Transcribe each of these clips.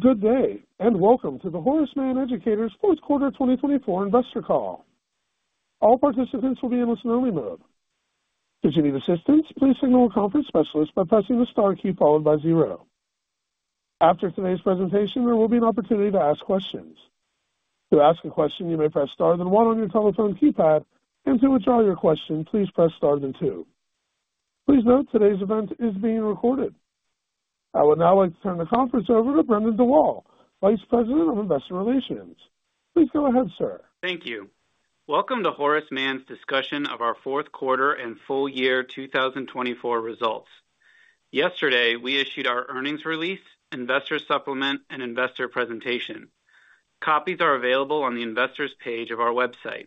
Good day, and welcome to the Horace Mann Educators Fourth Quarter 2024 Investor Call. All participants will be in a listen-only mode. If you need assistance, please signal a conference specialist by pressing the star key followed by zero. After today's presentation, there will be an opportunity to ask questions. To ask a question, you may press star then one on your telephone keypad, and to withdraw your question, please press star then two. Please note today's event is being recorded. I would now like to turn the conference over to Brendan Dawal, Vice President of Investor Relations. Please go ahead, sir. Thank you. Welcome to Horace Mann's discussion of our fourth quarter and full year 2024 results. Yesterday, we issued our earnings release, investor supplement, and investor presentation. Copies are available on the investors' page of our website.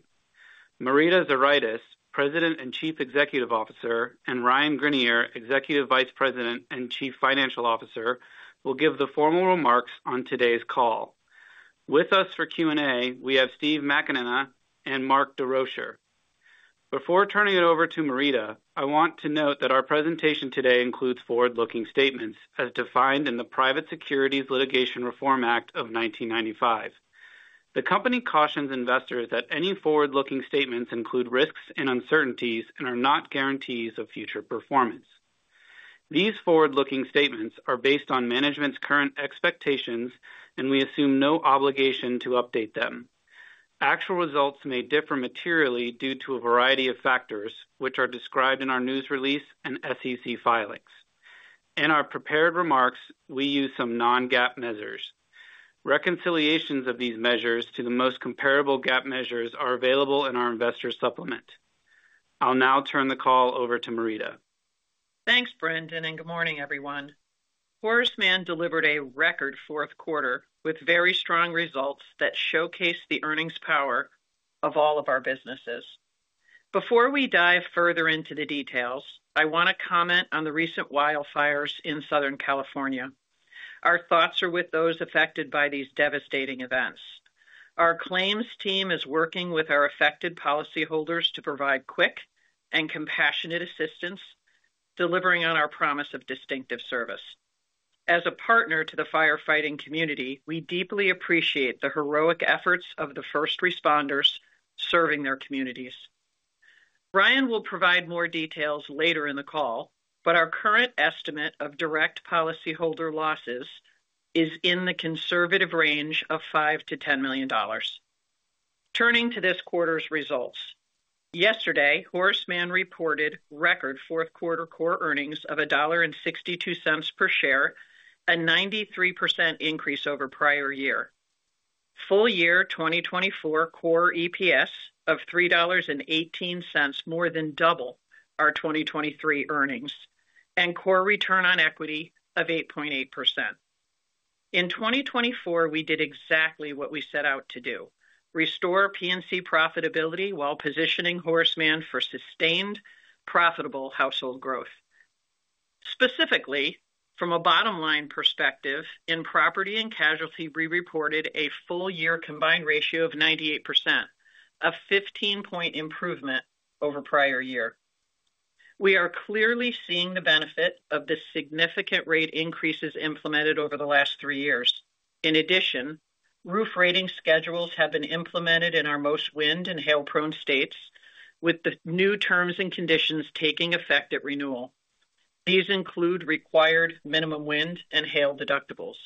Marita Zuraitis, President and Chief Executive Officer, and Ryan Greenier, Executive Vice President and Chief Financial Officer, will give the formal remarks on today's call. With us for Q&A, we have Steve McAnena and Mark Desrochers. Before turning it over to Marita, I want to note that our presentation today includes forward-looking statements as defined in the Private Securities Litigation Reform Act of 1995. The company cautions investors that any forward-looking statements include risks and uncertainties and are not guarantees of future performance. These forward-looking statements are based on management's current expectations, and we assume no obligation to update them. Actual results may differ materially due to a variety of factors, which are described in our news release and SEC filings. In our prepared remarks, we use some non-GAAP measures. Reconciliations of these measures to the most comparable GAAP measures are available in our investor supplement. I'll now turn the call over to Marita. Thanks, Brendan, and good morning, everyone. Horace Mann delivered a record fourth quarter with very strong results that showcase the earnings power of all of our businesses. Before we dive further into the details, I want to comment on the recent wildfires in Southern California. Our thoughts are with those affected by these devastating events. Our claims team is working with our affected policyholders to provide quick and compassionate assistance, delivering on our promise of distinctive service. As a partner to the firefighting community, we deeply appreciate the heroic efforts of the first responders serving their communities. Ryan will provide more details later in the call, but our current estimate of direct policyholder losses is in the conservative range of $5-$10 million. Turning to this quarter's results, yesterday, Horace Mann reported record fourth quarter core earnings of $1.62 per share, a 93% increase over prior year. Full year 2024 core EPS of $3.18, more than double our 2023 earnings, and core return on equity of 8.8%. In 2024, we did exactly what we set out to do: restore P&C profitability while positioning Horace Mann for sustained profitable household growth. Specifically, from a bottom-line perspective, in property and casualty, we reported a full year combined ratio of 98%, a 15-point improvement over prior year. We are clearly seeing the benefit of the significant rate increases implemented over the last three years. In addition, roof rating schedules have been implemented in our most wind and hail-prone states, with the new terms and conditions taking effect at renewal. These include required minimum wind and hail deductibles.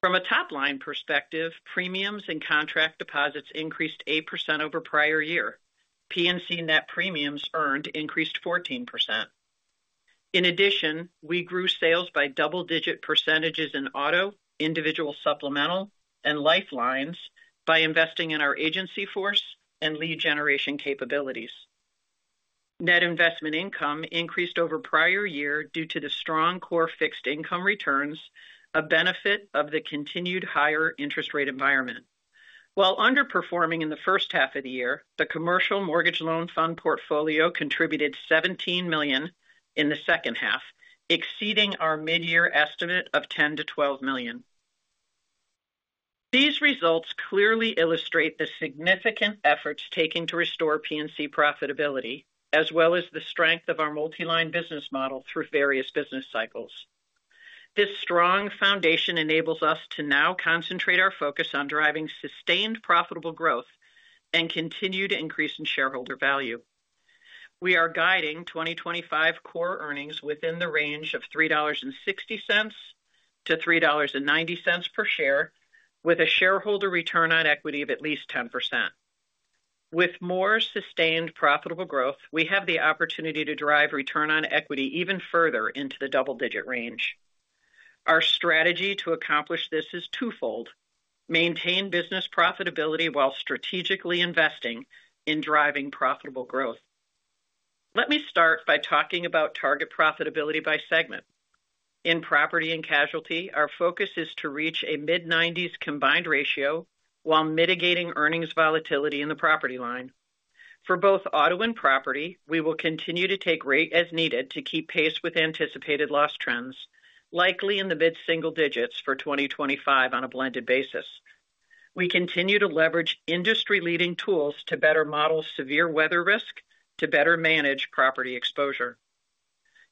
From a top-line perspective, premiums and contract deposits increased 8% over prior year. P&C net premiums earned increased 14%. In addition, we grew sales by double-digit percentages in auto, individual supplemental, and lifelines by investing in our agency force and lead generation capabilities. Net investment income increased over prior year due to the strong core fixed income returns, a benefit of the continued higher interest rate environment. While underperforming in the first half of the year, the commercial mortgage loan fund portfolio contributed $17 million in the second half, exceeding our mid-year estimate of $10-$12 million. These results clearly illustrate the significant efforts taken to restore P&C profitability, as well as the strength of our multi-line business model through various business cycles. This strong foundation enables us to now concentrate our focus on driving sustained profitable growth and continued increase in shareholder value. We are guiding 2025 core earnings within the range of $3.60-$3.90 per share, with a shareholder return on equity of at least 10%. With more sustained profitable growth, we have the opportunity to drive return on equity even further into the double-digit range. Our strategy to accomplish this is twofold: maintain business profitability while strategically investing in driving profitable growth. Let me start by talking about target profitability by segment. In property and casualty, our focus is to reach a mid-90s combined ratio while mitigating earnings volatility in the property line. For both auto and property, we will continue to take rate as needed to keep pace with anticipated loss trends, likely in the mid-single digits for 2025 on a blended basis. We continue to leverage industry-leading tools to better model severe weather risk to better manage property exposure.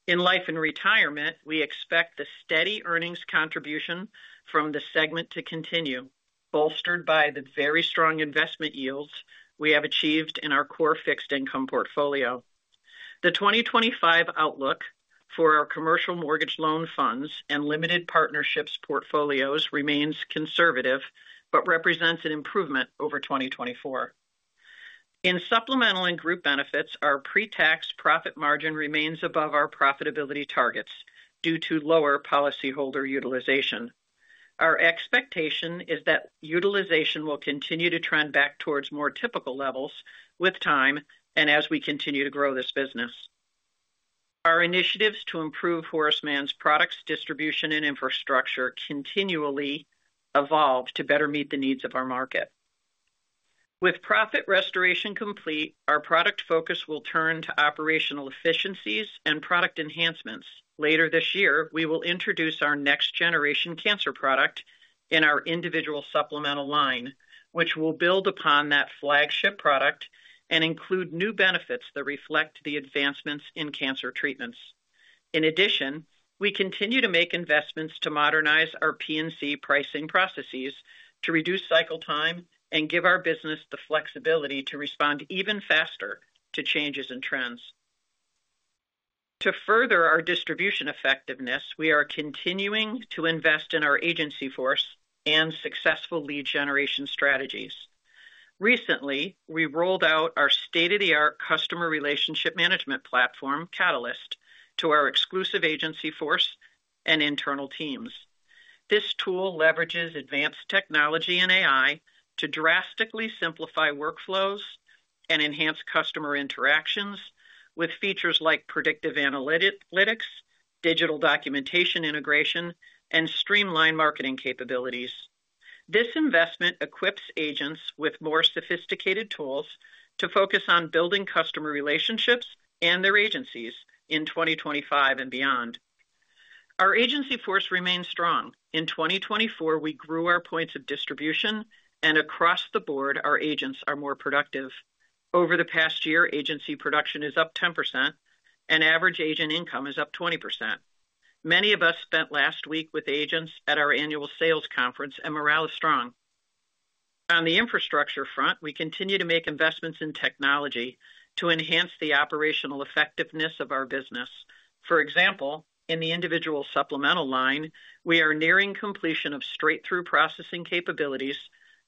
In Life and Retirement, we expect the steady earnings contribution from the segment to continue, bolstered by the very strong investment yields we have achieved in our core fixed income portfolio. The 2025 outlook for our Commercial Mortgage Loan Funds and limited partnerships portfolios remains conservative but represents an improvement over 2024. In Supplemental and Group Benefits, our pre-tax profit margin remains above our profitability targets due to lower policyholder utilization. Our expectation is that utilization will continue to trend back towards more typical levels with time and as we continue to grow this business. Our initiatives to improve Horace Mann's products, distribution, and infrastructure continually evolve to better meet the needs of our market. With profit restoration complete, our product focus will turn to operational efficiencies and product enhancements. Later this year, we will introduce our next-generation cancer product in our individual supplemental line, which will build upon that flagship product and include new benefits that reflect the advancements in cancer treatments. In addition, we continue to make investments to modernize our P&C pricing processes to reduce cycle time and give our business the flexibility to respond even faster to changes and trends. To further our distribution effectiveness, we are continuing to invest in our agency force and successful lead generation strategies. Recently, we rolled out our state-of-the-art customer relationship management platform, Catalyst, to our exclusive agency force and internal teams. This tool leverages advanced technology and AI to drastically simplify workflows and enhance customer interactions with features like predictive analytics, digital documentation integration, and streamlined marketing capabilities. This investment equips agents with more sophisticated tools to focus on building customer relationships and their agencies in 2025 and beyond. Our agency force remains strong. In 2024, we grew our points of distribution, and across the board, our agents are more productive. Over the past year, agency production is up 10%, and average agent income is up 20%. Many of us spent last week with agents at our annual sales conference, and morale is strong. On the infrastructure front, we continue to make investments in technology to enhance the operational effectiveness of our business. For example, in the individual supplemental line, we are nearing completion of straight-through processing capabilities,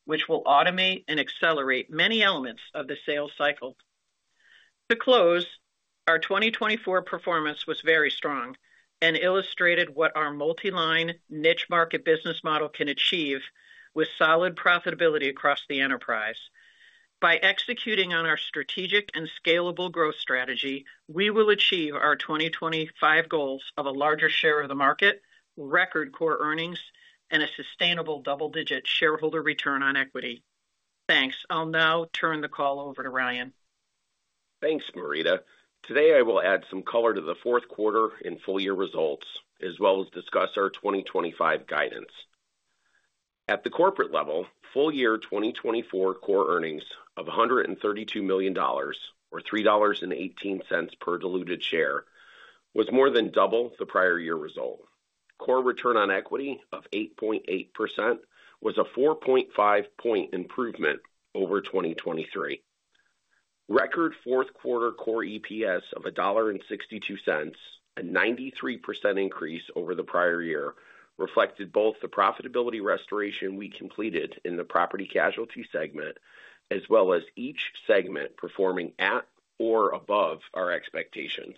which will automate and accelerate many elements of the sales cycle. To close, our 2024 performance was very strong and illustrated what our multi-line, niche market business model can achieve with solid profitability across the enterprise. By executing on our strategic and scalable growth strategy, we will achieve our 2025 goals of a larger share of the market, record core earnings, and a sustainable double-digit shareholder return on equity. Thanks. I'll now turn the call over to Ryan. Thanks, Marita. Today, I will add some color to the fourth quarter and full year results, as well as discuss our 2025 guidance. At the corporate level, full year 2024 core earnings of $132 million, or $3.18 per diluted share, was more than double the prior year result. Core return on equity of 8.8% was a 4.5-point improvement over 2023. Record fourth quarter core EPS of $1.62, a 93% increase over the prior year, reflected both the profitability restoration we completed in the property casualty segment, as well as each segment performing at or above our expectations.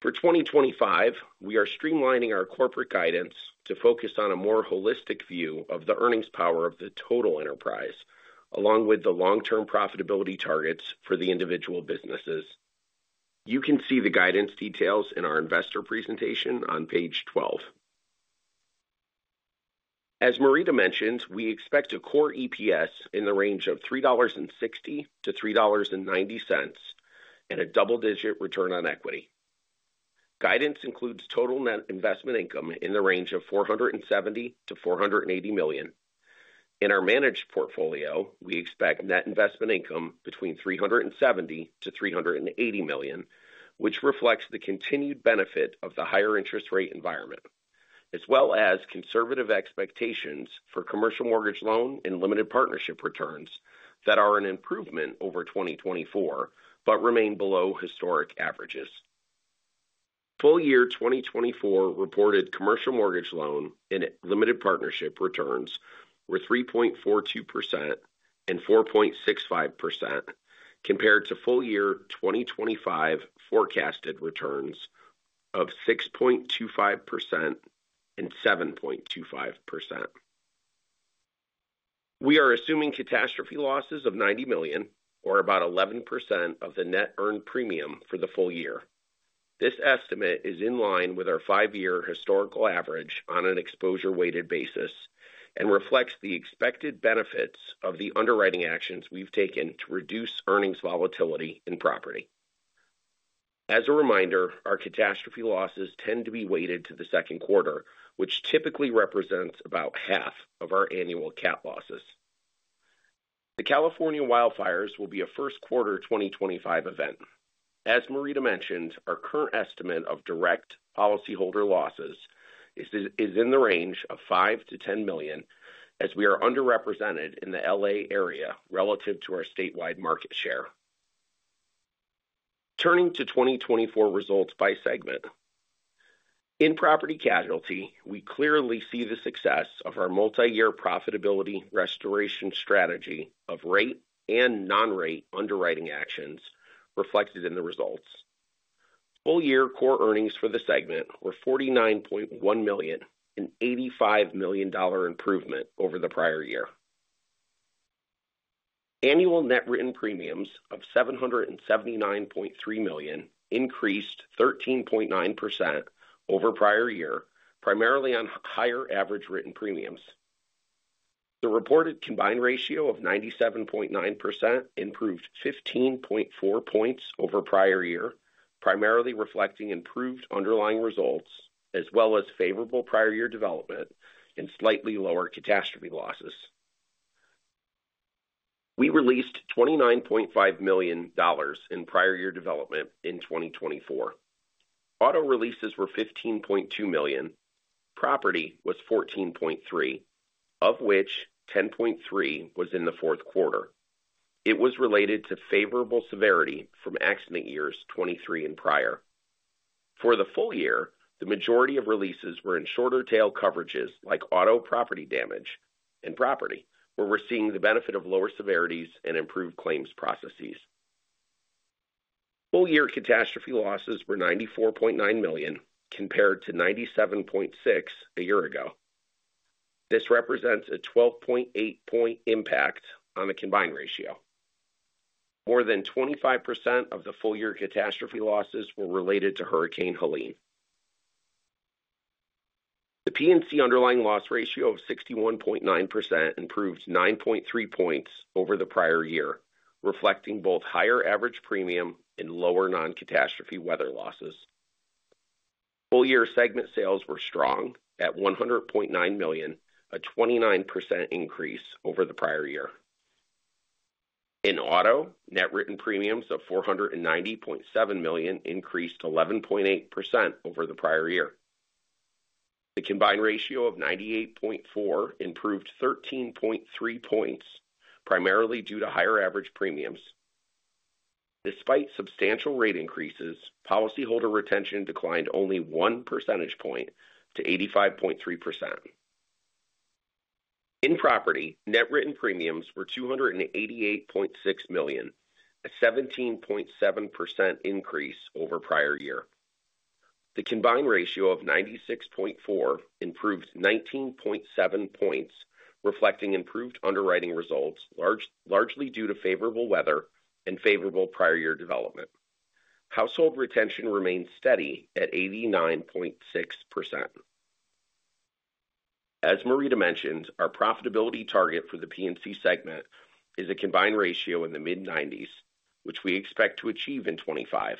For 2025, we are streamlining our corporate guidance to focus on a more holistic view of the earnings power of the total enterprise, along with the long-term profitability targets for the individual businesses. You can see the guidance details in our investor presentation on page 12. As Marita mentioned, we expect a core EPS in the range of $3.60-$3.90 and a double-digit return on equity. Guidance includes total net investment income in the range of $470-$480 million. In our managed portfolio, we expect net investment income between $370-$380 million, which reflects the continued benefit of the higher interest rate environment, as well as conservative expectations for commercial mortgage loan and limited partnership returns that are an improvement over 2024 but remain below historic averages. Full year 2024 reported commercial mortgage loan and limited partnership returns were 3.42% and 4.65%, compared to full year 2025 forecasted returns of 6.25% and 7.25%. We are assuming catastrophe losses of $90 million, or about 11% of the net earned premium for the full year. This estimate is in line with our five-year historical average on an exposure-weighted basis and reflects the expected benefits of the underwriting actions we've taken to reduce earnings volatility in property. As a reminder, our catastrophe losses tend to be weighted to the second quarter, which typically represents about half of our annual cat losses. The California wildfires will be a first quarter 2025 event. As Marita mentioned, our current estimate of direct policyholder losses is in the range of $5-$10 million, as we are underrepresented in the LA area relative to our statewide market share. Turning to 2024 results by segment. In property casualty, we clearly see the success of our multi-year profitability restoration strategy of rate and non-rate underwriting actions reflected in the results. Full year core earnings for the segment were $49.1 million, an $85 million improvement over the prior year. Annual net written premiums of $779.3 million increased 13.9% over prior year, primarily on higher average written premiums. The reported combined ratio of 97.9% improved 15.4 points over prior year, primarily reflecting improved underlying results, as well as favorable prior year development and slightly lower catastrophe losses. We released $29.5 million in prior year development in 2024. Auto releases were $15.2 million. Property was $14.3 million, of which $10.3 million was in the fourth quarter. It was related to favorable severity from accident years 2023 and prior. For the full year, the majority of releases were in shorter tail coverages like auto property damage and property, where we're seeing the benefit of lower severities and improved claims processes. Full year catastrophe losses were $94.9 million, compared to $97.6 million a year ago. This represents a 12.8-point impact on the combined ratio. More than 25% of the full year catastrophe losses were related to Hurricane Helene. The P&C underlying loss ratio of 61.9% improved 9.3 points over the prior year, reflecting both higher average premium and lower non-catastrophe weather losses. Full year segment sales were strong at $100.9 million, a 29% increase over the prior year. In auto, net written premiums of $490.7 million increased 11.8% over the prior year. The combined ratio of 98.4 improved 13.3 points, primarily due to higher average premiums. Despite substantial rate increases, policyholder retention declined only one percentage point to 85.3%. In property, net written premiums were $288.6 million, a 17.7% increase over prior year. The combined ratio of 96.4 improved 19.7 points, reflecting improved underwriting results, largely due to favorable weather and favorable prior year development. Household retention remained steady at 89.6%. As Marita mentioned, our profitability target for the P&C segment is a combined ratio in the mid-90s, which we expect to achieve in 2025,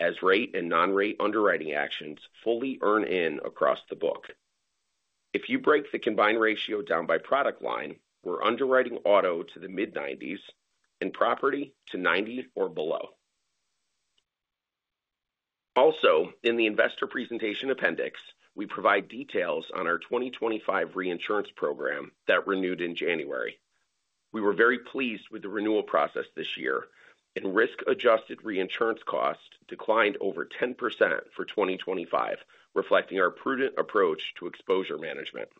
as rate and non-rate underwriting actions fully earn in across the book. If you break the combined ratio down by product line, we're underwriting auto to the mid-90s and property to 90 or below. Also, in the investor presentation appendix, we provide details on our 2025 reinsurance program that renewed in January. We were very pleased with the renewal process this year, and risk-adjusted reinsurance cost declined over 10% for 2025, reflecting our prudent approach to exposure management.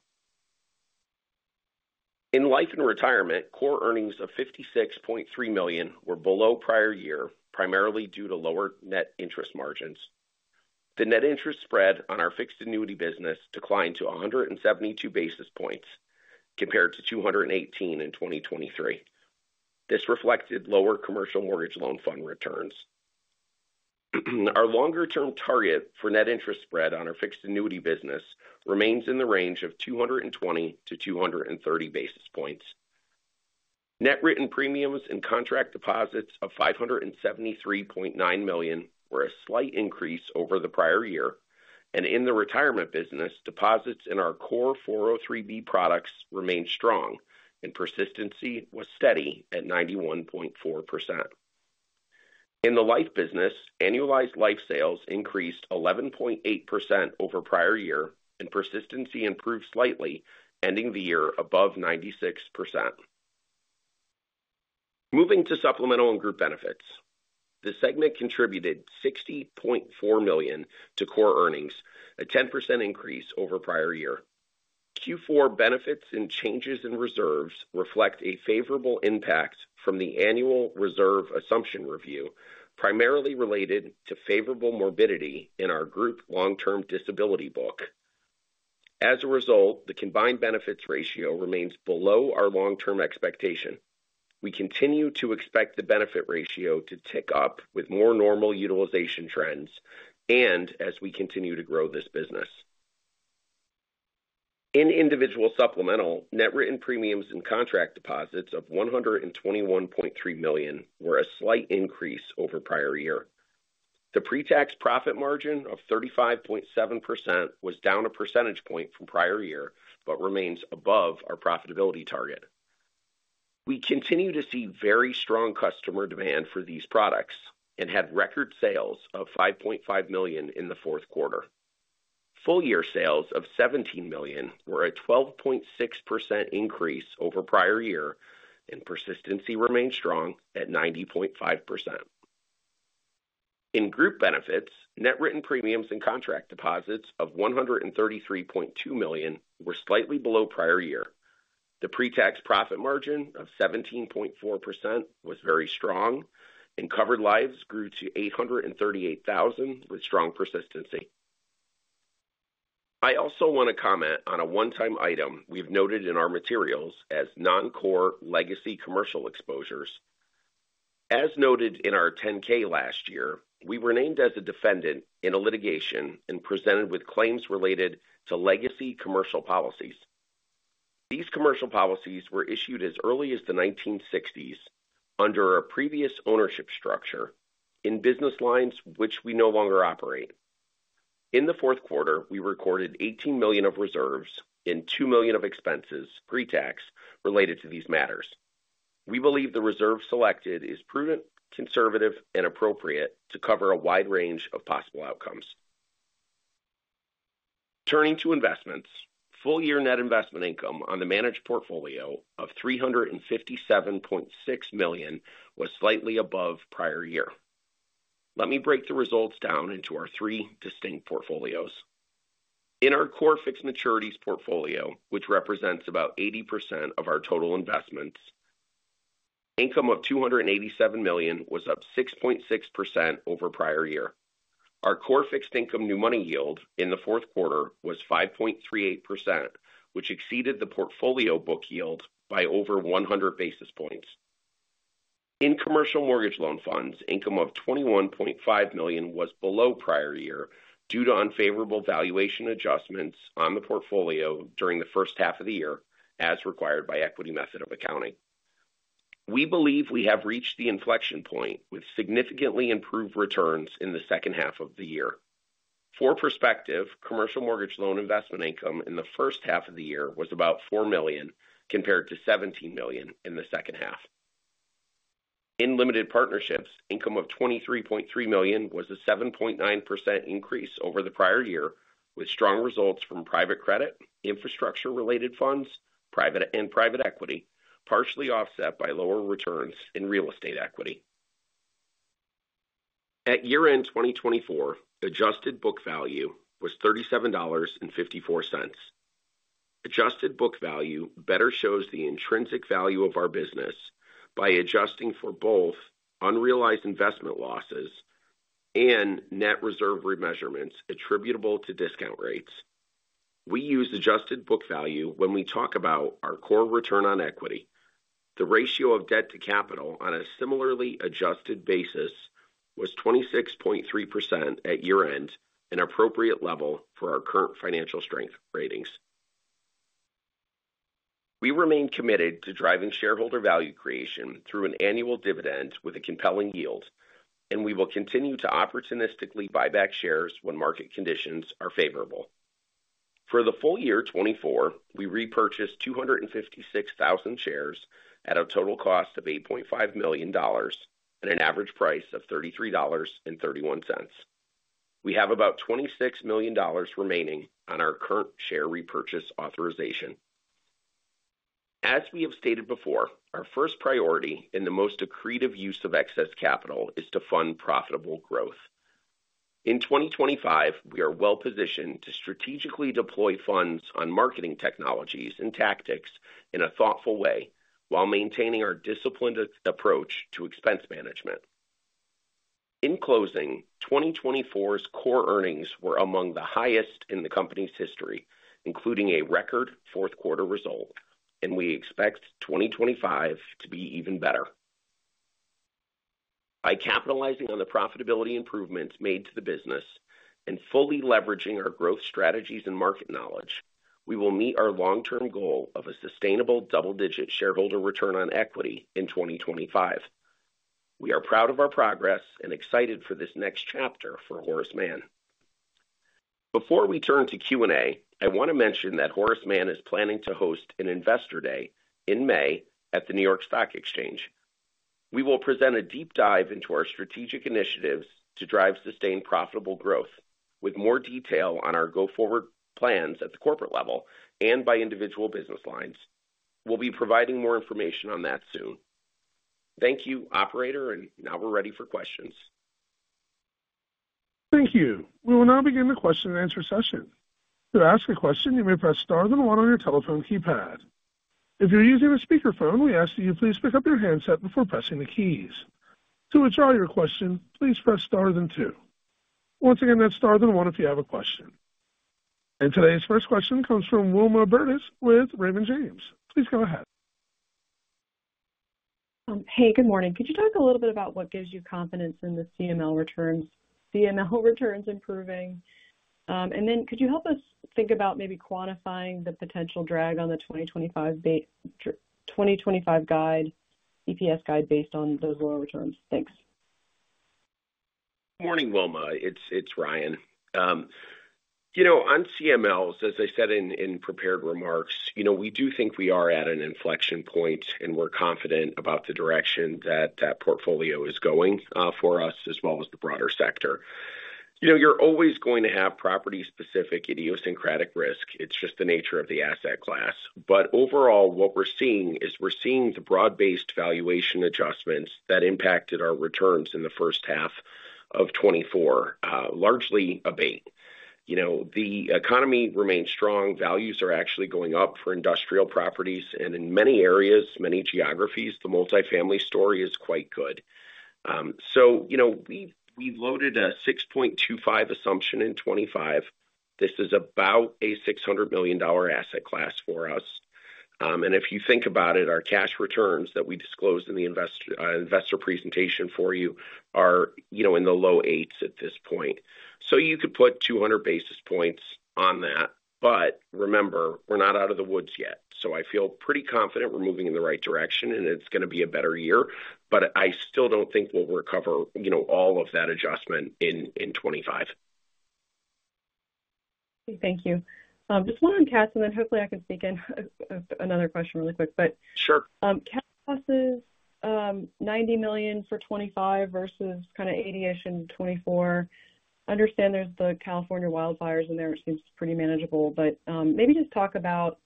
In life and retirement, core earnings of $56.3 million were below prior year, primarily due to lower net interest margins. The net interest spread on our fixed annuity business declined to 172 basis points, compared to 218 in 2023. This reflected lower commercial mortgage loan fund returns. Our longer-term target for net interest spread on our fixed annuity business remains in the range of 220 to 230 basis points. Net written premiums and contract deposits of $573.9 million were a slight increase over the prior year, and in the retirement business, deposits in our core 403(b) products remained strong, and persistency was steady at 91.4%. In the life business, annualized life sales increased 11.8% over prior year, and persistency improved slightly, ending the year above 96%. Moving to supplemental and group benefits. The segment contributed $60.4 million to core earnings, a 10% increase over prior year. Q4 benefits and changes in reserves reflect a favorable impact from the annual reserve assumption review, primarily related to favorable morbidity in our group long-term disability book. As a result, the combined benefits ratio remains below our long-term expectation. We continue to expect the benefit ratio to tick up with more normal utilization trends and as we continue to grow this business. In Individual Supplemental, net written premiums and contract deposits of $121.3 million were a slight increase over prior year. The pre-tax profit margin of 35.7% was down a percentage point from prior year but remains above our profitability target. We continue to see very strong customer demand for these products and had record sales of $5.5 million in the fourth quarter. Full year sales of $17 million were a 12.6% increase over prior year, and persistency remained strong at 90.5%. In group benefits, net written premiums and contract deposits of $133.2 million were slightly below prior year. The pre-tax profit margin of 17.4% was very strong, and covered lives grew to 838,000 with strong persistency. I also want to comment on a one-time item we've noted in our materials as non-core legacy commercial exposures. As noted in our 10-K last year, we were named as a defendant in a litigation and presented with claims related to legacy commercial policies. These commercial policies were issued as early as the 1960s under a previous ownership structure in business lines which we no longer operate. In the fourth quarter, we recorded $18 million of reserves and $2 million of expenses pre-tax related to these matters. We believe the reserve selected is prudent, conservative, and appropriate to cover a wide range of possible outcomes. Turning to investments, full year net investment income on the managed portfolio of $357.6 million was slightly above prior year. Let me break the results down into our three distinct portfolios. In our core fixed maturities portfolio, which represents about 80% of our total investments, income of $287 million was up 6.6% over prior year. Our core fixed income new money yield in the fourth quarter was 5.38%, which exceeded the portfolio book yield by over 100 basis points. In commercial mortgage loan funds, income of $21.5 million was below prior year due to unfavorable valuation adjustments on the portfolio during the first half of the year, as required by equity method of accounting. We believe we have reached the inflection point with significantly improved returns in the second half of the year. For perspective, commercial mortgage loan investment income in the first half of the year was about $4 million, compared to $17 million in the second half. In limited partnerships, income of $23.3 million was a 7.9% increase over the prior year, with strong results from private credit, infrastructure-related funds, and private equity, partially offset by lower returns in real estate equity. At year-end 2024, adjusted book value was $37.54. Adjusted book value better shows the intrinsic value of our business by adjusting for both unrealized investment losses and net reserve remeasurements attributable to discount rates. We use adjusted book value when we talk about our core return on equity. The ratio of debt to capital on a similarly adjusted basis was 26.3% at year-end, an appropriate level for our current financial strength ratings. We remain committed to driving shareholder value creation through an annual dividend with a compelling yield, and we will continue to opportunistically buy back shares when market conditions are favorable. For the full year 2024, we repurchased 256,000 shares at a total cost of $8.5 million and an average price of $33.31. We have about $26 million remaining on our current share repurchase authorization. As we have stated before, our first priority in the most accretive use of excess capital is to fund profitable growth. In 2025, we are well-positioned to strategically deploy funds on marketing technologies and tactics in a thoughtful way while maintaining our disciplined approach to expense management. In closing, 2024's core earnings were among the highest in the company's history, including a record fourth-quarter result, and we expect 2025 to be even better. By capitalizing on the profitability improvements made to the business and fully leveraging our growth strategies and market knowledge, we will meet our long-term goal of a sustainable double-digit shareholder return on equity in 2025. We are proud of our progress and excited for this next chapter for Horace Mann. Before we turn to Q&A, I want to mention that Horace Mann is planning to host an Investor Day in May at the New York Stock Exchange. We will present a deep dive into our strategic initiatives to drive sustained profitable growth, with more detail on our go forward plans at the corporate level and by individual business lines. We'll be providing more information on that soon. Thank you, operator, and now we're ready for questions. Thank you. We will now begin the question and answer session. To ask a question, you may press star then one on your telephone keypad. If you're using a speakerphone, we ask that you please pick up your handset before pressing the keys. To withdraw your question, please press star then two. Once again, that's star then one if you have a question. And today's first question comes from Wilma Burdis with Raymond James. Please go ahead. Hey, good morning. Could you talk a little bit about what gives you confidence in the CML returns? CML returns improving. And then could you help us think about maybe quantifying the potential drag on the 2025 guide, EPS guide based on those lower returns? Thanks. Good morning, Wilma. It's Ryan. You know, on CMLs, as I said in prepared remarks, you know, we do think we are at an inflection point, and we're confident about the direction that that portfolio is going for us as well as the broader sector. You know, you're always going to have property-specific idiosyncratic risk. It's just the nature of the asset class. But overall, what we're seeing is we're seeing the broad-based valuation adjustments that impacted our returns in the first half of 2024 largely abate. You know, the economy remains strong. Values are actually going up for industrial properties. And in many areas, many geographies, the multifamily story is quite good. So, you know, we loaded a 6.25 assumption in 2025. This is about a $600 million asset class for us. And if you think about it, our cash returns that we disclosed in the investor presentation for you are, you know, in the low eights at this point. So you could put 200 basis points on that. But remember, we're not out of the woods yet. So I feel pretty confident we're moving in the right direction, and it's going to be a better year. But I still don't think we'll recover, you know, all of that adjustment in 2025. Thank you. Just one on cats, and then hopefully I can sneak in another question really quick. But sure. Cats cost is $90 million for 2025 versus kind of a hundred in 2024. Understand there's the California wildfires in there. It seems pretty manageable. But maybe just talk about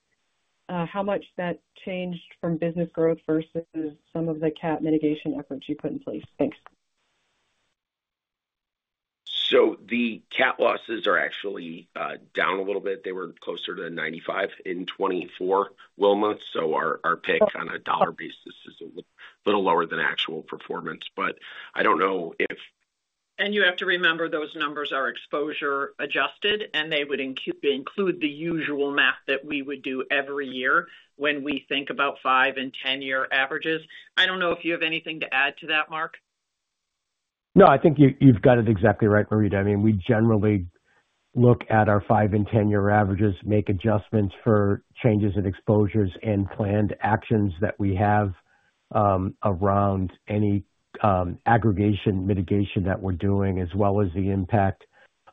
how much that changed from business growth versus some of the cat mitigation efforts you put in place. Thanks. So the cat losses are actually down a little bit. They were closer to $95 in 2024, Wilma. So our pick on a dollar basis is a little lower than actual performance. But I don't know if. And you have to remember those numbers are exposure-adjusted, and they would include the usual math that we would do every year when we think about five- and 10-year averages. I don't know if you have anything to add to that, Mark. No, I think you've got it exactly right, Marita. I mean, we generally look at our five and ten-year averages, make adjustments for changes in exposures and planned actions that we have around any aggregation mitigation that we're doing, as well as the impact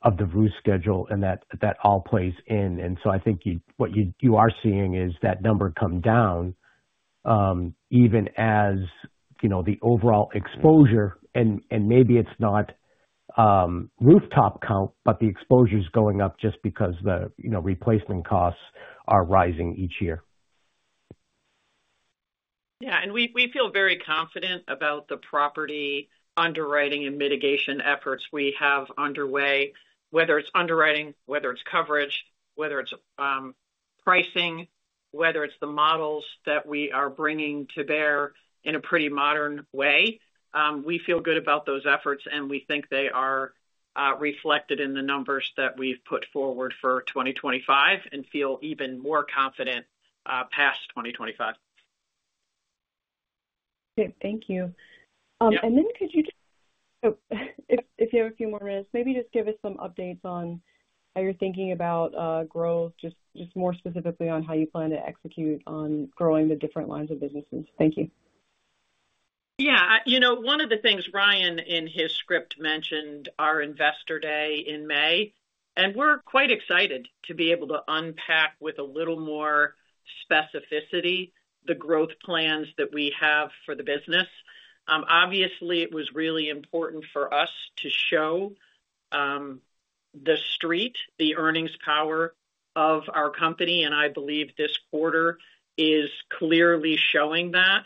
of the roof schedule, and that all plays in. And so I think what you are seeing is that number come down even as, you know, the overall exposure, and maybe it's not rooftop count, but the exposure is going up just because the, you know, replacement costs are rising each year. Yeah. And we feel very confident about the property underwriting and mitigation efforts we have underway, whether it's underwriting, whether it's coverage, whether it's pricing, whether it's the models that we are bringing to bear in a pretty modern way. We feel good about those efforts, and we think they are reflected in the numbers that we've put forward for 2025 and feel even more confident past 2025. Okay. Thank you. And then could you, if you have a few more minutes, maybe just give us some updates on how you're thinking about growth, just more specifically on how you plan to execute on growing the different lines of businesses. Thank you. Yeah. You know, one of the things Ryan in his script mentioned our investor day in May, and we're quite excited to be able to unpack with a little more specificity the growth plans that we have for the business. Obviously, it was really important for us to show the Street the earnings power of our company. And I believe this quarter is clearly showing that.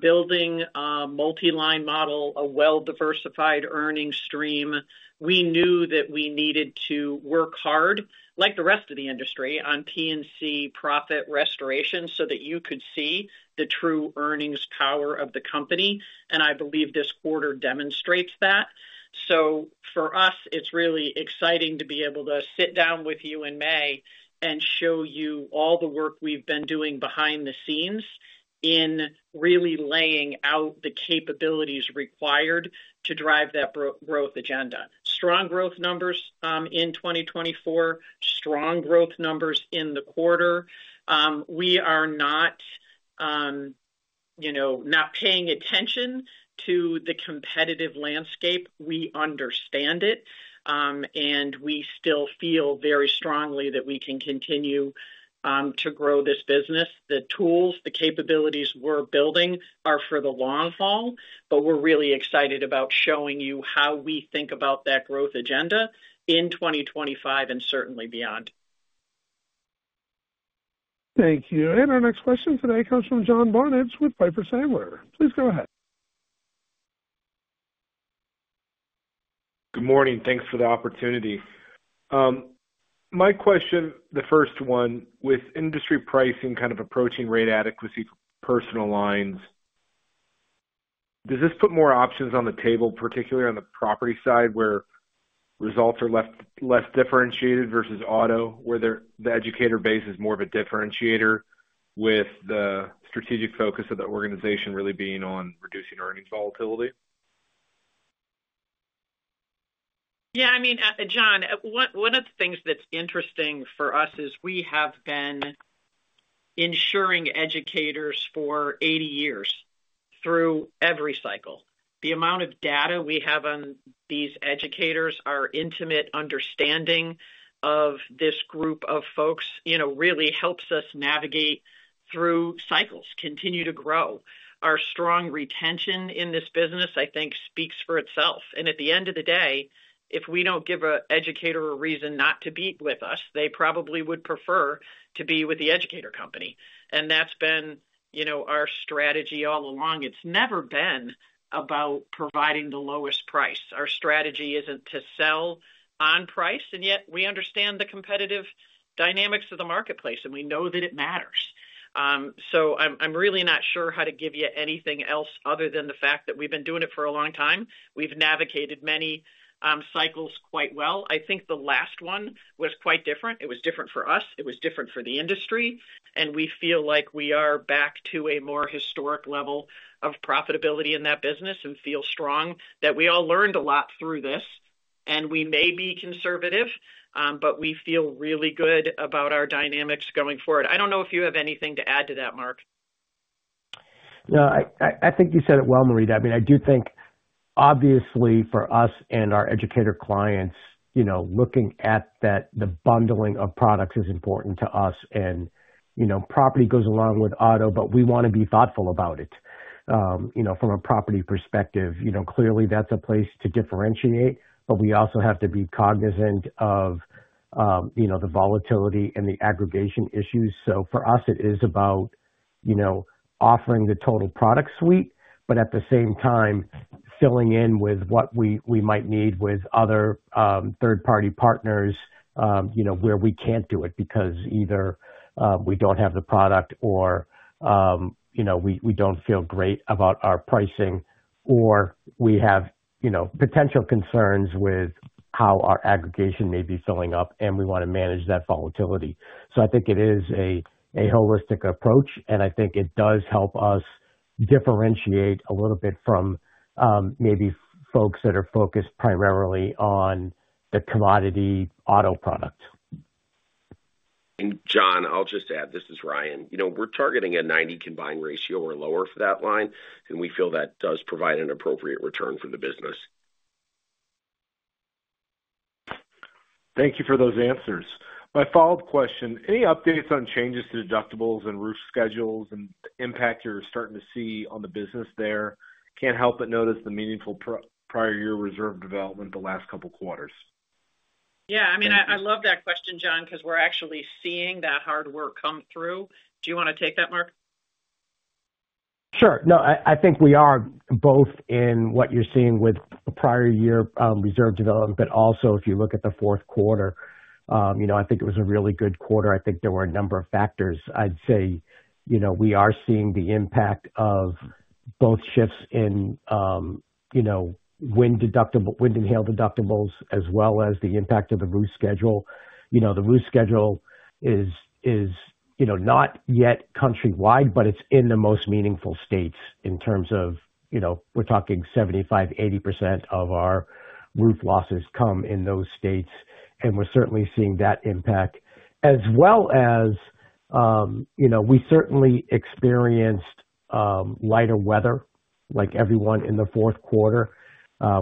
Building a multi-line model, a well-diversified earnings stream, we knew that we needed to work hard, like the rest of the industry, on P&C profit restoration so that you could see the true earnings power of the company. And I believe this quarter demonstrates that. So for us, it's really exciting to be able to sit down with you in May and show you all the work we've been doing behind the scenes in really laying out the capabilities required to drive that growth agenda. Strong growth numbers in 2024, strong growth numbers in the quarter. We are not, you know, not paying attention to the competitive landscape. We understand it, and we still feel very strongly that we can continue to grow this business. The tools, the capabilities we're building are for the long haul, but we're really excited about showing you how we think about that growth agenda in 2025 and certainly beyond. Thank you, and our next question today comes from John Barnidge with Piper Sandler. Please go ahead. Good morning. Thanks for the opportunity. My question, the first one, with industry pricing kind of approaching rate adequacy for personal lines, does this put more options on the table, particularly on the property side where results are left less differentiated versus auto, where the educator base is more of a differentiator with the strategic focus of the organization really being on reducing earnings volatility? Yeah. I mean, John, one of the things that's interesting for us is we have been insuring educators for 80 years through every cycle. The amount of data we have on these educators, our intimate understanding of this group of folks, you know, really helps us navigate through cycles, continue to grow. Our strong retention in this business, I think, speaks for itself. And at the end of the day, if we don't give an educator a reason not to be with us, they probably would prefer to be with the educator company. And that's been, you know, our strategy all along. It's never been about providing the lowest price. Our strategy isn't to sell on price, and yet we understand the competitive dynamics of the marketplace, and we know that it matters. So I'm really not sure how to give you anything else other than the fact that we've been doing it for a long time. We've navigated many cycles quite well. I think the last one was quite different. It was different for us. It was different for the industry, and we feel like we are back to a more historic level of profitability in that business and feel strong that we all learned a lot through this, and we may be conservative, but we feel really good about our dynamics going forward. I don't know if you have anything to add to that, Mark. No, I think you said it well, Marita. I mean, I do think, obviously, for us and our educator clients, you know, looking at that, the bundling of products is important to us, and, you know, property goes along with auto, but we want to be thoughtful about it, you know, from a property perspective. You know, clearly, that's a place to differentiate, but we also have to be cognizant of, you know, the volatility and the aggregation issues. So for us, it is about, you know, offering the total product suite, but at the same time, filling in with what we might need with other third-party partners, you know, where we can't do it because either we don't have the product or, you know, we don't feel great about our pricing or we have, you know, potential concerns with how our aggregation may be filling up, and we want to manage that volatility. So I think it is a holistic approach, and I think it does help us differentiate a little bit from maybe folks that are focused primarily on the commodity auto product. And John, I'll just add, this is Ryan. You know, we're targeting a 90 combined ratio or lower for that line, and we feel that does provide an appropriate return for the business. Thank you for those answers. My follow-up question, any updates on changes to deductibles and roof schedules and the impact you're starting to see on the business there? Can't help but notice the meaningful prior year reserve development the last couple of quarters. Yeah. I mean, I love that question, John, because we're actually seeing that hard work come through. Do you want to take that, Mark? Sure. No, I think we are both in what you're seeing with the prior year reserve development, but also if you look at the fourth quarter, you know, I think it was a really good quarter. I think there were a number of factors. I'd say, you know, we are seeing the impact of both shifts in, you know, wind deductible, wind and hail deductibles, as well as the impact of the roof schedule. You know, the roof schedule is, you know, not yet countrywide, but it's in the most meaningful states in terms of, you know, we're talking 75%-80% of our roof losses come in those states. And we're certainly seeing that impact, as well as, you know, we certainly experienced lighter weather, like everyone in the fourth quarter.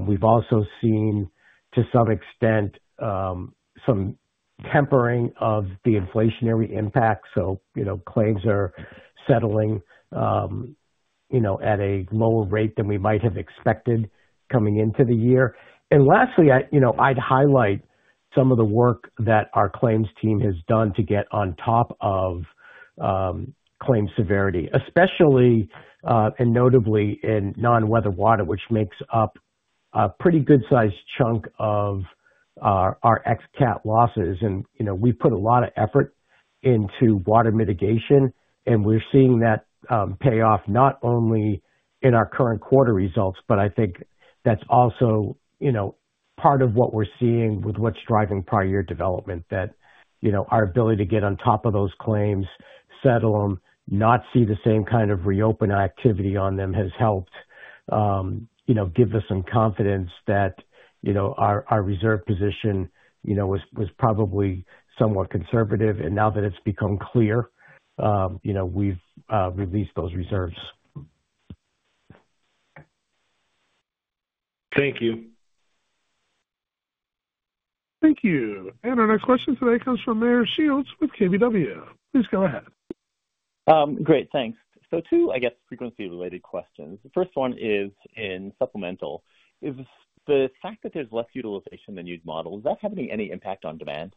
We've also seen, to some extent, some tempering of the inflationary impact. So, you know, claims are settling, you know, at a lower rate than we might have expected coming into the year. And lastly, I, you know, I'd highlight some of the work that our claims team has done to get on top of claim severity, especially and notably in non-weather water, which makes up a pretty good sized chunk of our ex-cat losses. You know, we put a lot of effort into water mitigation, and we're seeing that pay off not only in our current quarter results, but I think that's also, you know, part of what we're seeing with what's driving prior year development, that, you know, our ability to get on top of those claims, settle them, not see the same kind of reopen activity on them has helped, you know, give us some confidence that, you know, our reserve position, you know, was probably somewhat conservative. And now that it's become clear, you know, we've released those reserves. Thank you. Thank you. And our next question today comes from Meyer Shields with KBW. Please go ahead. Great. Thanks. So two, I guess, frequency-related questions. The first one is in supplemental. Is the fact that there's less utilization than used models, is that having any impact on demand?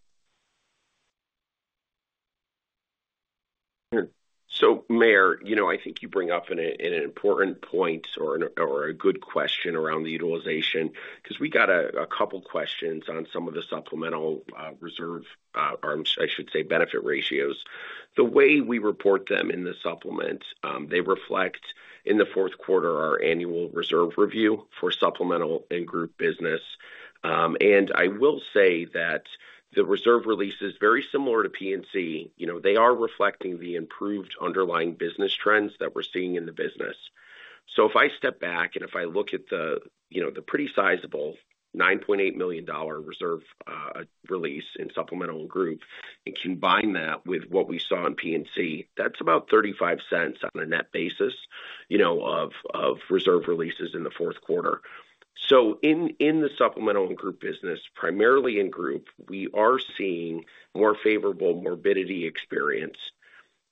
So, Meyer, you know, I think you bring up an important point or a good question around the utilization because we got a couple of questions on some of the supplemental reserve, or I should say benefit ratios. The way we report them in the supplement, they reflect in the fourth quarter our annual reserve review for supplemental and group business, and I will say that the reserve release is very similar to P&C. You know, they are reflecting the improved underlying business trends that we're seeing in the business, so if I step back and if I look at the, you know, the pretty sizable $9.8 million reserve release in supplemental and group and combine that with what we saw in P&C, that's about $0.35 on a net basis, you know, of reserve releases in the fourth quarter. So in the supplemental and group business, primarily in group, we are seeing more favorable morbidity experience.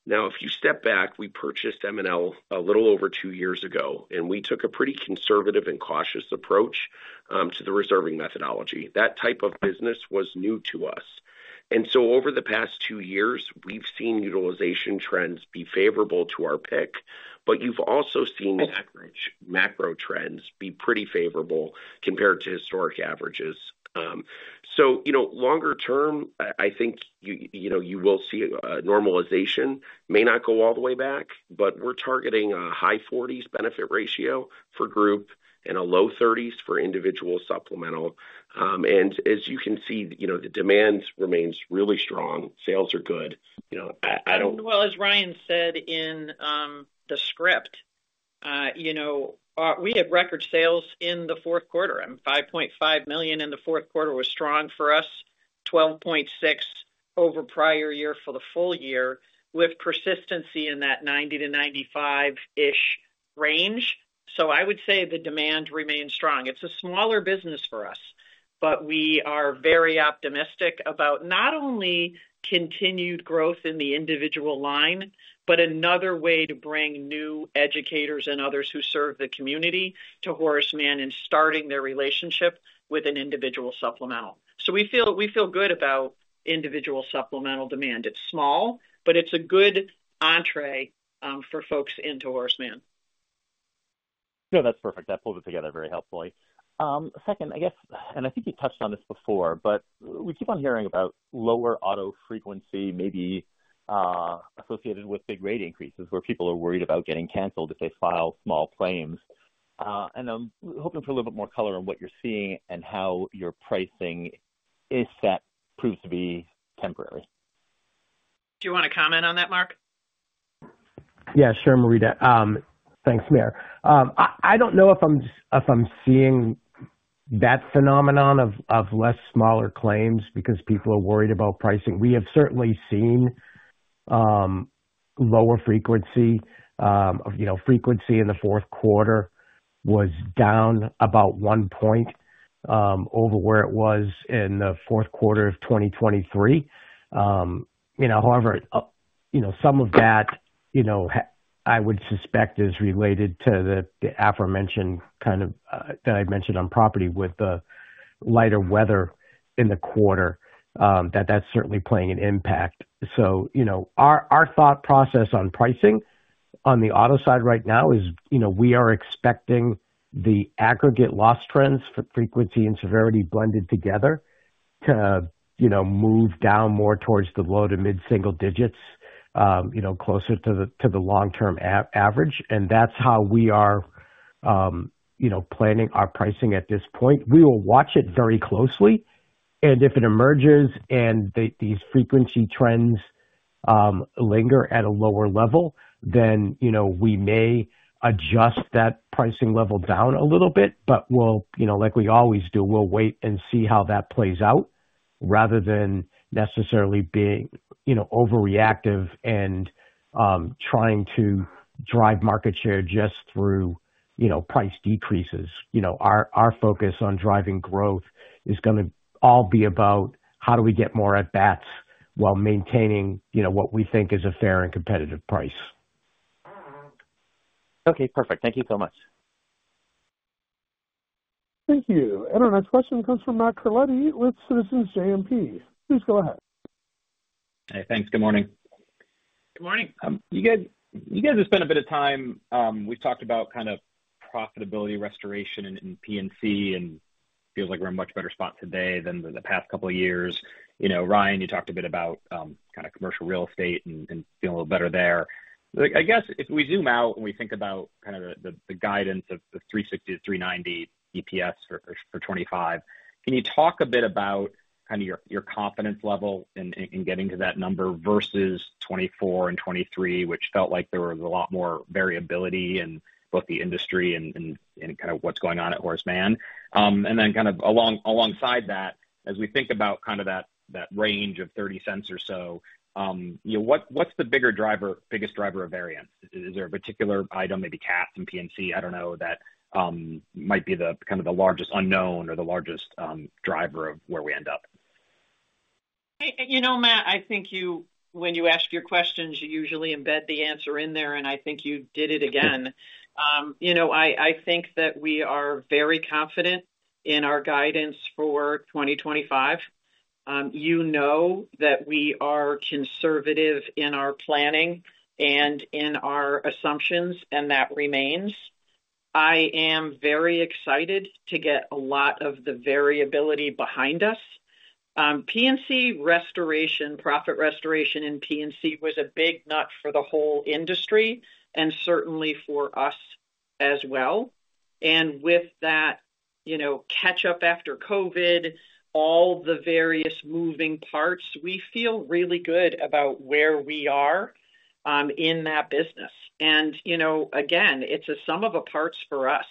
Now, if you step back, we purchased MNL a little over two years ago, and we took a pretty conservative and cautious approach to the reserving methodology. That type of business was new to us. And so over the past two years, we've seen utilization trends be favorable to our pick, but you've also seen macro trends be pretty favorable compared to historic averages. So, you know, longer term, I think, you know, you will see a normalization. May not go all the way back, but we're targeting a high-40s benefit ratio for group and a low-30s for individual supplemental. And as you can see, you know, the demand remains really strong. Sales are good. You know, I don't know. As Ryan said in the script, you know, we had record sales in the fourth quarter. In $5.5 million in the fourth quarter was strong for us, 12.6% over prior year for the full year with persistency in that 90%-95%-ish range. So I would say the demand remains strong. It's a smaller business for us, but we are very optimistic about not only continued growth in the individual line, but another way to bring new educators and others who serve the community to Horace Mann and starting their relationship with an Individual Supplemental. So we feel good about Individual Supplemental demand. It's small, but it's a good entree for folks into Horace Mann. No, that's perfect. That pulls it together very helpfully. Second, I guess, and I think you touched on this before, but we keep on hearing about lower auto frequency, maybe associated with big rate increases where people are worried about getting canceled if they file small claims, and I'm hoping for a little bit more color on what you're seeing and how your pricing if that proves to be temporary. Do you want to comment on that, Mark? Yeah, sure, Marita. Thanks, Meyer. I don't know if I'm seeing that phenomenon of less smaller claims because people are worried about pricing. We have certainly seen lower frequency. You know, frequency in the fourth quarter was down about one point over where it was in the fourth quarter of 2023. You know, however, you know, some of that, you know, I would suspect is related to the aforementioned kind of that I mentioned on property with the lighter weather in the quarter, that that's certainly playing an impact. So, you know, our thought process on pricing on the auto side right now is, you know, we are expecting the aggregate loss trends for frequency and severity blended together to, you know, move down more towards the low to mid single digits, you know, closer to the long-term average. And that's how we are, you know, planning our pricing at this point. We will watch it very closely. If it emerges and these frequency trends linger at a lower level, then, you know, we may adjust that pricing level down a little bit, but we'll, you know, like we always do, we'll wait and see how that plays out rather than necessarily being, you know, overreactive and trying to drive market share just through, you know, price decreases. You know, our focus on driving growth is going to all be about how do we get more at bats while maintaining, you know, what we think is a fair and competitive price. Okay, perfect. Thank you so much. Thank you. Our next question comes from Matt Carletti with Citizens JMP. Please go ahead. Hey, thanks. Good morning. Good morning. You guys have spent a bit of time. We've talked about kind of profitability restoration in P&C and feels like we're in a much better spot today than the past couple of years. You know, Ryan, you talked a bit about kind of commercial real estate and feeling a little better there. I guess if we zoom out and we think about kind of the guidance of the 360-390 EPS for 2025, can you talk a bit about kind of your confidence level in getting to that number versus 2024 and 2023, which felt like there was a lot more variability in both the industry and kind of what's going on at Horace Mann? And then kind of alongside that, as we think about kind of that range of $0.30 or so, you know, what's the bigger driver, biggest driver of variance? Is there a particular item, maybe cat and P&C, I don't know, that might be the kind of the largest unknown or the largest driver of where we end up? You know, Matt, I think you, when you ask your questions, you usually embed the answer in there, and I think you did it again. You know, I think that we are very confident in our guidance for 2025. You know that we are conservative in our planning and in our assumptions, and that remains. I am very excited to get a lot of the variability behind us. P&C restoration, profit restoration in P&C was a big nut for the whole industry and certainly for us as well. And with that, you know, catch-up after COVID, all the various moving parts, we feel really good about where we are in that business. You know, again, it's a sum of parts for us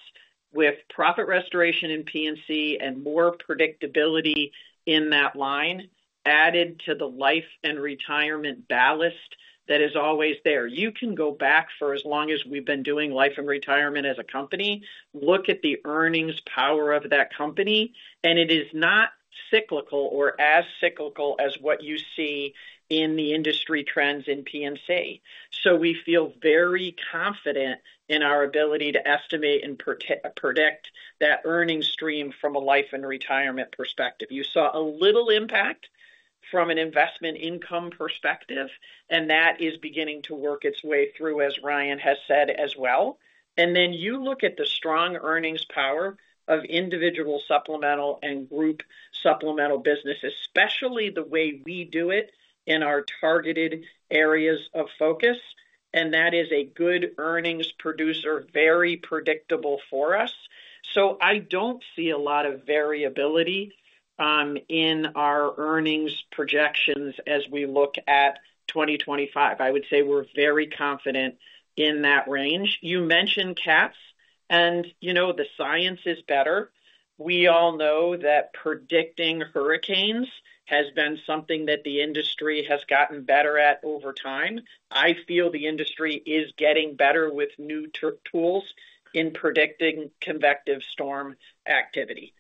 with profit restoration in P&C and more predictability in that line added to the Life and Retirement ballast that is always there. You can go back for as long as we've been doing Life and Retirement as a company, look at the earnings power of that company, and it is not cyclical or as cyclical as what you see in the industry trends in P&C. So we feel very confident in our ability to estimate and predict that earnings stream from a Life and Retirement perspective. You saw a little impact from an investment income perspective, and that is beginning to work its way through, as Ryan has said as well. And then you look at the strong earnings power of Individual Supplemental and Group Supplemental business, especially the way we do it in our targeted areas of focus. That is a good earnings producer, very predictable for us. I don't see a lot of variability in our earnings projections as we look at 2025. I would say we're very confident in that range. You mentioned cats, and you know, the science is better. We all know that predicting hurricanes has been something that the industry has gotten better at over time. I feel the industry is getting better with new tools in predicting convective storm activity.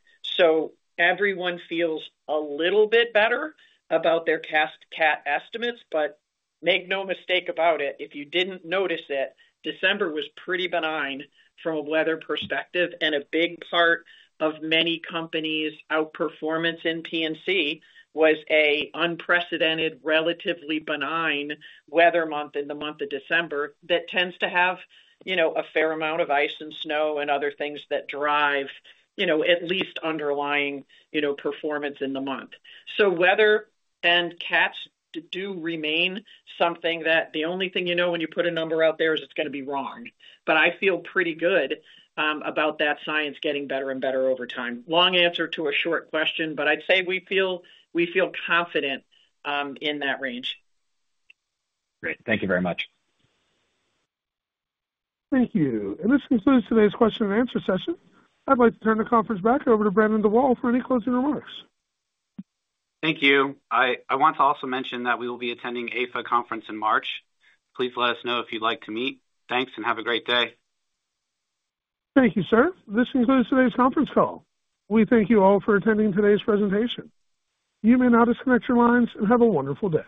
Everyone feels a little bit better about their cats cap estimates, but make no mistake about it, if you didn't notice it, December was pretty benign from a weather perspective. A big part of many companies' outperformance in P&C was an unprecedented, relatively benign weather month in the month of December that tends to have, you know, a fair amount of ice and snow and other things that drive, you know, at least underlying, you know, performance in the month. So weather and cats do remain something that the only thing you know when you put a number out there is it's going to be wrong. But I feel pretty good about that science getting better and better over time. Long answer to a short question, but I'd say we feel confident in that range. Great. Thank you very much. Thank you. This concludes today's question and answer session. I'd like to turn the conference back over to Brendan Dawal for any closing remarks. Thank you. I want to also mention that we will be attending AIFA Conference in March. Please let us know if you'd like to meet. Thanks and have a great day. Thank you, sir. This concludes today's conference call. We thank you all for attending today's presentation. You may now disconnect your lines and have a wonderful day.